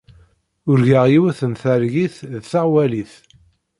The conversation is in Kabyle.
Urgaɣ yiwet n targit d taɣwalit.